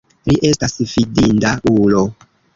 Li estas fidinda ulo.